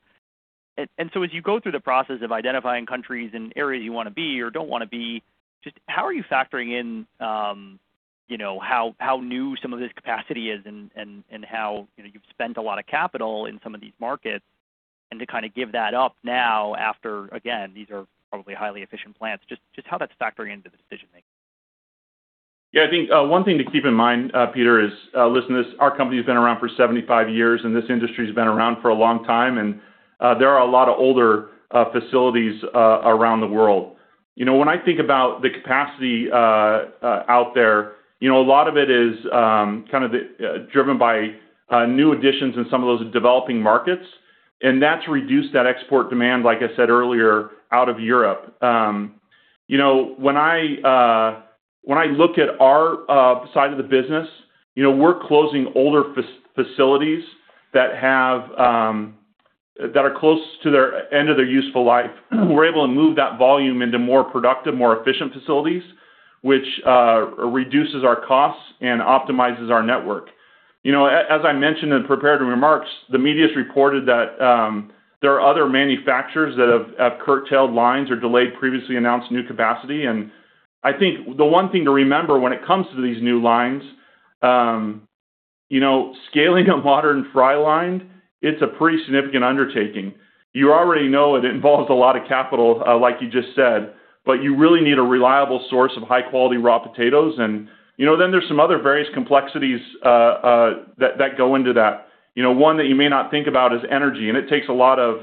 As you go through the process of identifying countries and areas you want to be or don't want to be, just how are you factoring in how new some of this capacity is and how you've spent a lot of capital in some of these markets and to give that up now after, again, these are probably highly efficient plants, just how that's factoring into the decision-making? Yeah, I think one thing to keep in mind, Peter, is listen, our company's been around for 75 years, and this industry's been around for a long time, and there are a lot of older facilities around the world. When I think about the capacity out there, a lot of it is driven by new additions in some of those developing markets, and that's reduced that export demand, like I said earlier, out of Europe. When I look at our side of the business, we're closing older facilities that are close to their end of their useful life. We're able to move that volume into more productive, more efficient facilities, which reduces our costs and optimizes our network. As I mentioned in prepared remarks, the media's reported that there are other manufacturers that have curtailed lines or delayed previously announced new capacity. I think the one thing to remember when it comes to these new lines, scaling a modern fry line, it's a pretty significant undertaking. You already know it involves a lot of capital, like you just said, but you really need a reliable source of high-quality raw potatoes. There's some other various complexities that go into that. One that you may not think about is energy, and it takes a lot of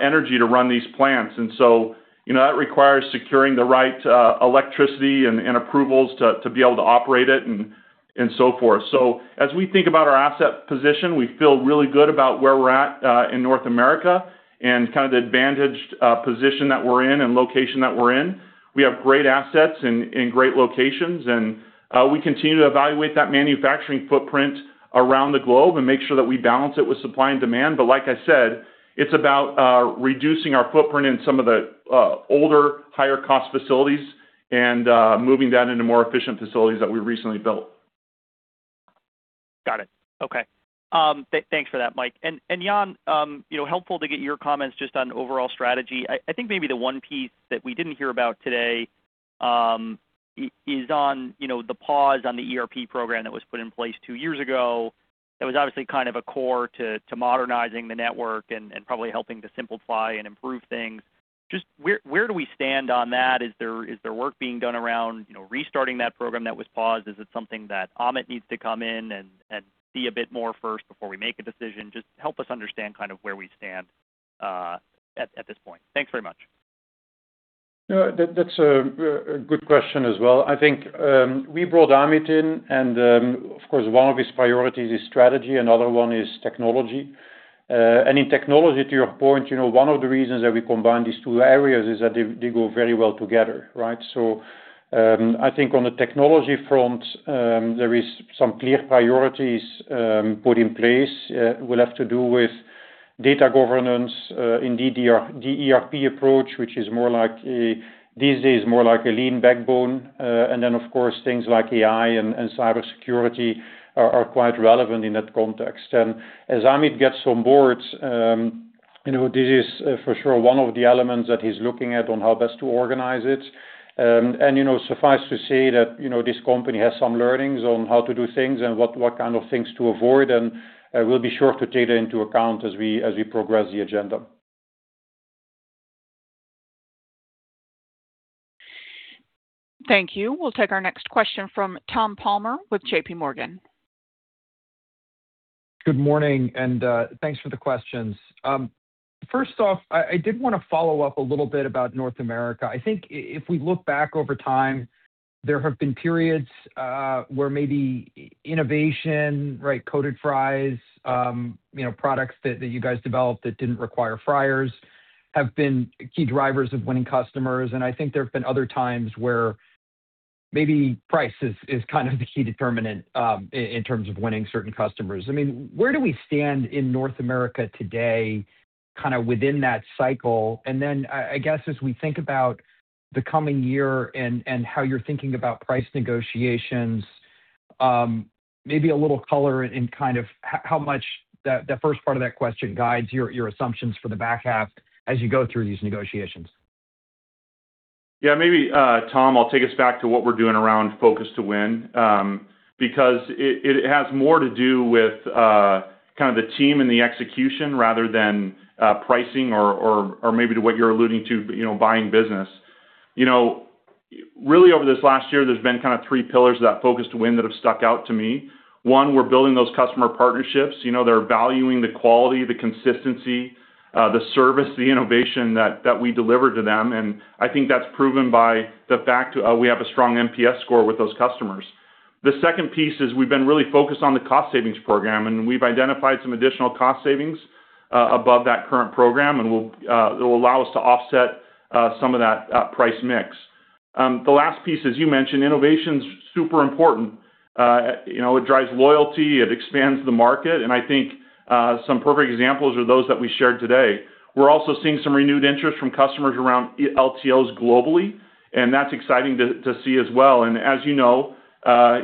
energy to run these plants. That requires securing the right electricity and approvals to be able to operate it and so forth. As we think about our asset position, we feel really good about where we're at in North America and the advantaged position that we're in and location that we're in. We have great assets in great locations, and we continue to evaluate that manufacturing footprint around the globe and make sure that we balance it with supply and demand. Like I said, it's about reducing our footprint in some of the older, higher cost facilities and moving that into more efficient facilities that we recently built. Got it. Okay. Thanks for that, Mike. Jan, helpful to get your comments just on overall strategy. I think maybe the one piece that we didn't hear about today is on the pause on the ERP program that was put in place two years ago. That was obviously a core to modernizing the network and probably helping to simplify and improve things. Just where do we stand on that? Is there work being done around restarting that program that was paused? Is it something that Amit needs to come in and see a bit more first before we make a decision? Just help us understand where we stand at this point. Thanks very much. No, that's a good question as well. I think we brought Amit in and, of course, one of his priorities is strategy. Another one is technology. In technology, to your point, one of the reasons that we combine these two areas is that they go very well together, right? I think on the technology front, there is some clear priorities put in place will have to do with data governance in ERP approach, which these days is more like a lean backbone. Of course, things like AI and cybersecurity are quite relevant in that context. As Amit gets on board, this is for sure one of the elements that he's looking at on how best to organize it. Suffice to say that this company has some learnings on how to do things and what kind of things to avoid, and we'll be sure to take that into account as we progress the agenda. Thank you. We'll take our next question from Tom Palmer with JPMorgan. Good morning, and thanks for the questions. First off, I did want to follow up a little bit about North America. I think if we look back over time, there have been periods where maybe innovation, coated fries, products that you guys developed that didn't require fryers have been key drivers of winning customers, and I think there have been other times where maybe price is the key determinant in terms of winning certain customers. Where do we stand in North America today within that cycle? I guess as we think about the coming year and how you're thinking about price negotiations, maybe a little color in how much that first part of that question guides your assumptions for the back half as you go through these negotiations. Tom, I'll take us back to what we're doing around Focus to Win because it has more to do with the team and the execution rather than pricing or maybe to what you're alluding to, buying business. Really over this last year, there's been three pillars of that Focus to Win that have stuck out to me. One, we're building those customer partnerships. They're valuing the quality, the consistency, the service, the innovation that we deliver to them, and I think that's proven by the fact we have a strong NPS score with those customers. The second piece is we've been really focused on the cost savings program, and we've identified some additional cost savings above that current program, and it will allow us to offset some of that price mix. The last piece, as you mentioned, innovation's super important. It drives loyalty, it expands the market, and I think some perfect examples are those that we shared today. We're also seeing some renewed interest from customers around LTOs globally, and that's exciting to see as well. As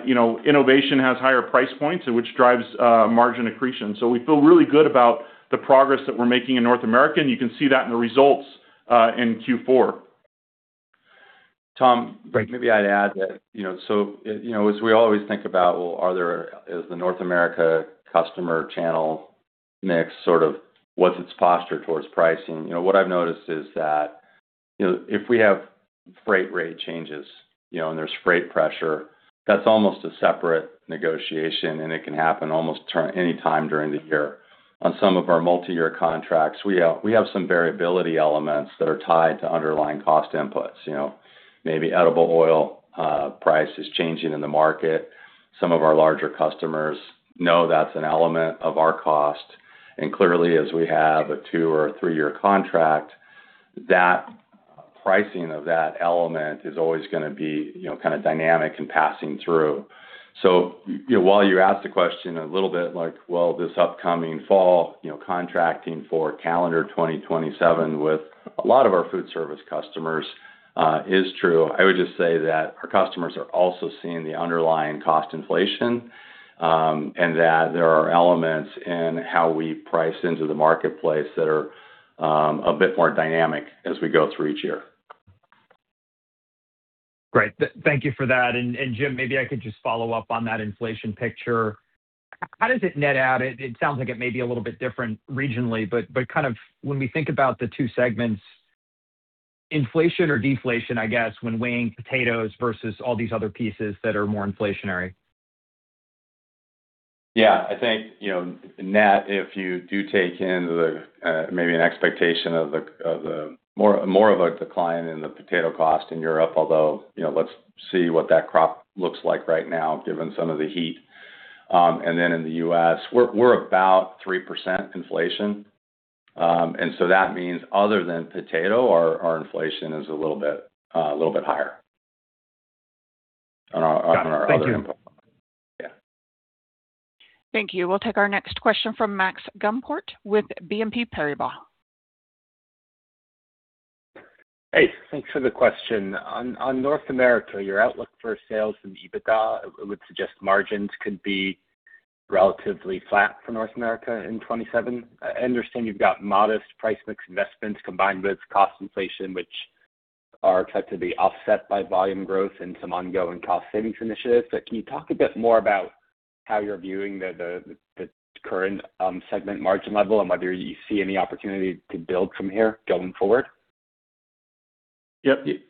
you know, innovation has higher price points, which drives margin accretion. We feel really good about the progress that we're making in North America, and you can see that in the results in Q4. Tom, maybe I'd add that, as we always think about, is the North America customer channel mix, what's its posture towards pricing? What I've noticed is that if we have freight rate changes, and there's freight pressure, that's almost a separate negotiation, and it can happen almost any time during the year. On some of our multi-year contracts, we have some variability elements that are tied to underlying cost inputs. Maybe edible oil price is changing in the market. Some of our larger customers know that's an element of our cost. Clearly, as we have a two or a three-year contract, that pricing of that element is always going to be dynamic and passing through. While you asked the question a little bit like, well, this upcoming fall, contracting for calendar 2027 with a lot of our food service customers is true. I would just say that our customers are also seeing the underlying cost inflation, and that there are elements in how we price into the marketplace that are a bit more dynamic as we go through each year. Great. Thank you for that. Jim, maybe I could just follow up on that inflation picture. How does it net out? It sounds like it may be a little bit different regionally, but when we think about the two segments, inflation or deflation, I guess, when weighing potatoes versus all these other pieces that are more inflationary. Yeah, I think net, if you do take in maybe an expectation of more of a decline in the potato cost in Europe. Although, let's see what that crop looks like right now, given some of the heat. Then in the U.S., we're about 3% inflation. So that means other than potato, our inflation is a little bit higher on our other input. Got it. Thank you. Yeah. Thank you. We'll take our next question from Max Gumport with BNP Paribas. Thanks for the question. On North America, your outlook for sales and EBITDA would suggest margins could be relatively flat for North America in 2027. I understand you've got modest price mix investments combined with cost inflation, which are set to be offset by volume growth and some ongoing cost savings initiatives. Can you talk a bit more about how you're viewing the current segment margin level and whether you see any opportunity to build from here going forward? Yeah. Maybe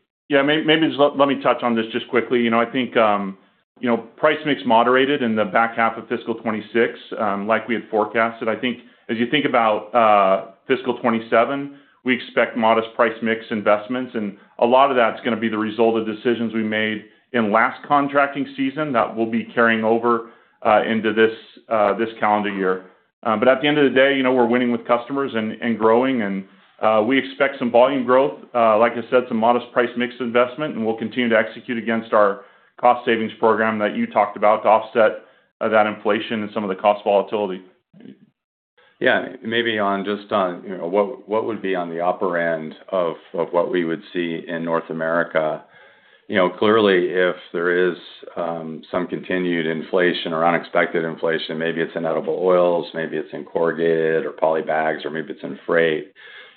just let me touch on this just quickly. Price mix moderated in the back half of fiscal 2026, like we had forecasted. As you think about fiscal 2027, we expect modest price mix investments, and a lot of that's going to be the result of decisions we made in last contracting season that will be carrying over into this calendar year. At the end of the day, we're winning with customers and growing and we expect some volume growth. Like I said, some modest price mix investment, and we'll continue to execute against our cost savings program that you talked about to offset that inflation and some of the cost volatility. Yeah. Maybe just on what would be on the upper end of what we would see in North America. Clearly if there is some continued inflation or unexpected inflation, maybe it's in edible oils, maybe it's in corrugated or poly bags, or maybe it's in freight.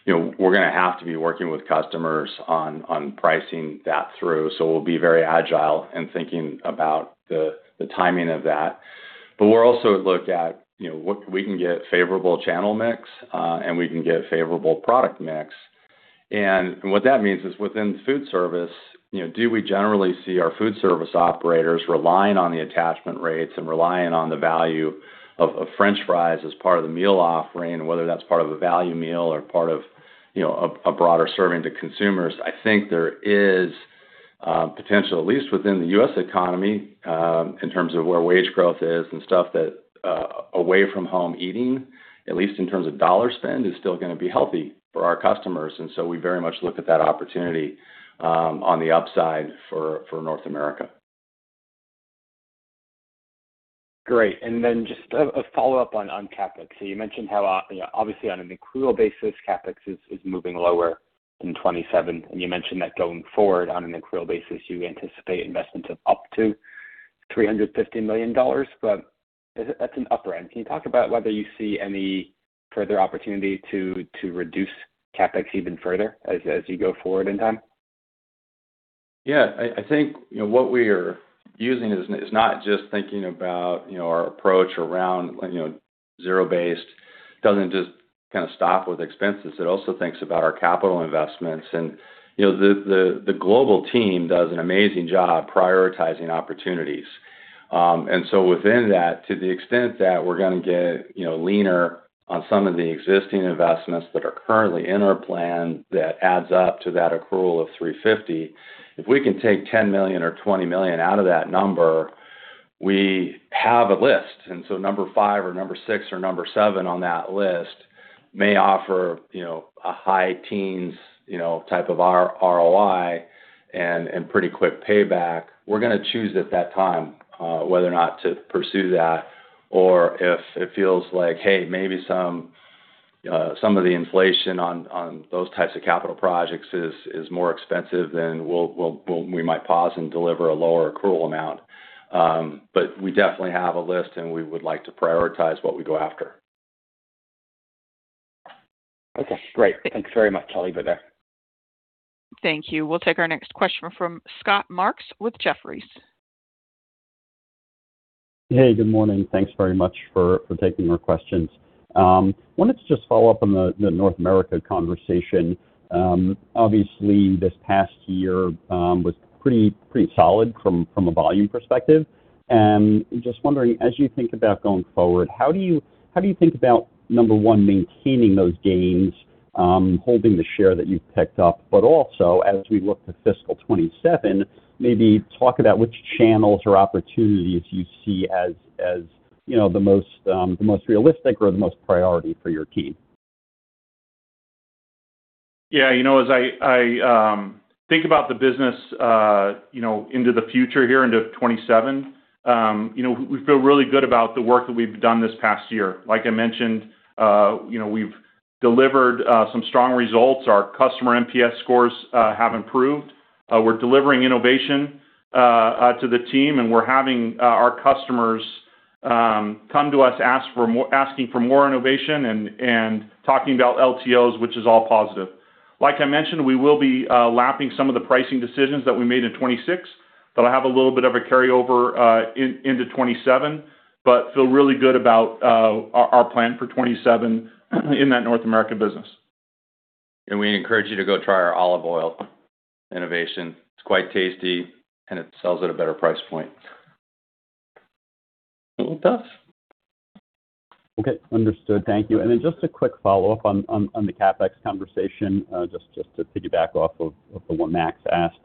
We're going to have to be working with customers on pricing that through. We'll be very agile in thinking about the timing of that. We'll also look at what we can get favorable channel mix, and we can get favorable product mix. What that means is within food service, do we generally see our food service operators relying on the attachment rates and relying on the value of French fries as part of the meal offering, and whether that's part of a value meal or part of a broader serving to consumers? There is potential, at least within the U.S. economy, in terms of where wage growth is and stuff that away from home eating, at least in terms of $ spend, is still going to be healthy for our customers. We very much look at that opportunity, on the upside for North America. Great. Just a follow-up on CapEx. You mentioned how obviously on an accrual basis, CapEx is moving lower in 2027, and you anticipate investments of up to $350 million, but that's an upper end. Can you talk about whether you see any further opportunity to reduce CapEx even further as you go forward in time? Yeah. I think what we are using is not just thinking about our approach around zero-based. It doesn't just stop with expenses. It also thinks about our capital investments. The global team does an amazing job prioritizing opportunities. Within that, to the extent that we're going to get leaner on some of the existing investments that are currently in our plan, that adds up to that accrual of 350. If we can take $10 million or $20 million out of that number, we have a list. Number five or number six or number seven on that list may offer a high teens type of ROI and pretty quick payback. We're going to choose at that time, whether or not to pursue that or if it feels like, hey, maybe some of the inflation on those types of capital projects is more expensive, we might pause and deliver a lower accrual amount. We definitely have a list and we would like to prioritize what we go after. Okay, great. Thanks very much. I'll leave it there. Thank you. We'll take our next question from Scott Marks with Jefferies. Hey, good morning. Thanks very much for taking our questions. Wanted to just follow up on the North America conversation. Obviously, this past year was pretty solid from a volume perspective. Just wondering, as you think about going forward, how do you think about, number 1, maintaining those gains, holding the share that you've picked up, but also, as we look to fiscal 2027, maybe talk about which channels or opportunities you see as the most realistic or the most priority for your team? Yeah. As I think about the business into the future here into 2027, we feel really good about the work that we've done this past year. Like I mentioned, we've delivered some strong results. Our customer NPS scores have improved. We're delivering innovation to the team, we're having our customers come to us asking for more innovation and talking about LTOs, which is all positive. Like I mentioned, we will be lapping some of the pricing decisions that we made in 2026 that'll have a little bit of a carryover into 2027, feel really good about our plan for 2027 in that North American business. We encourage you to go try our olive oil innovation. It's quite tasty, and it sells at a better price point. It does. Okay, understood. Thank you. Just a quick follow-up on the CapEx conversation, just to piggyback off of the one Max asked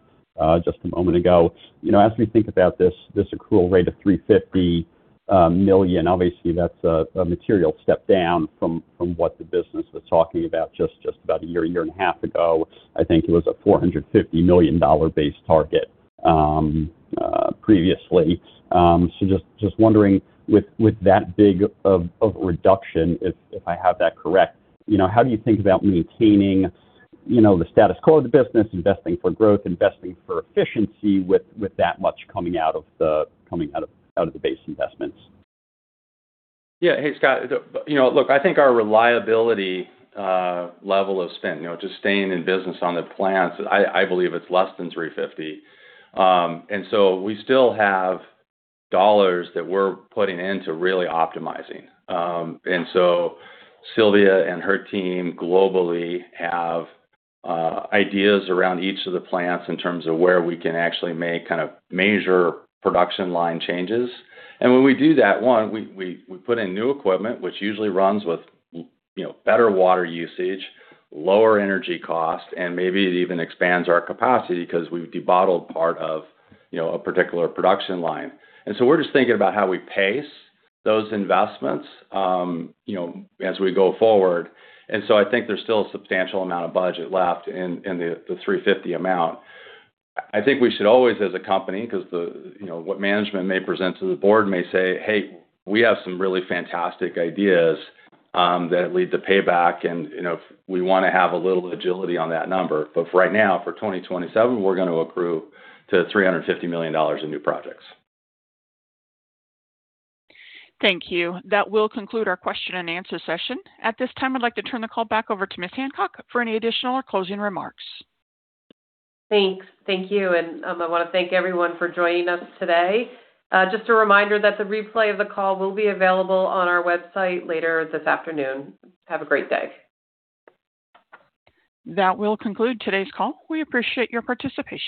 just a moment ago. As we think about this accrual rate of $350 million, obviously that's a material step down from what the business was talking about just about a year and a half ago. I think it was a $450 million base target previously. Just wondering with that big of a reduction, if I have that correct, how do you think about maintaining the status quo of the business, investing for growth, investing for efficiency with that much coming out of the base investments? Yeah. Hey, Scott. Look, I think our reliability level of spend, just staying in business on the plants, I believe it's less than $350 million. So we still have dollars that we're putting in to really optimizing. Sylvia and her team globally have ideas around each of the plants in terms of where we can actually make major production line changes. When we do that, one, we put in new equipment, which usually runs with better water usage, lower energy cost, and maybe it even expands our capacity because we've debottlenecked part of a particular production line. So we're just thinking about how we pace those investments as we go forward. So I think there's still a substantial amount of budget left in the $350 million amount. I think we should always, as a company, because what management may present to the board may say, "Hey, we have some really fantastic ideas that lead to payback, and we want to have a little agility on that number." For right now, for 2027, we're going to accrue to $350 million in new projects. Thank you. That will conclude our question and answer session. At this time, I'd like to turn the call back over to Ms. Hancock for any additional or closing remarks. Thanks. Thank you. I want to thank everyone for joining us today. Just a reminder that the replay of the call will be available on our website later this afternoon. Have a great day. That will conclude today's call. We appreciate your participation.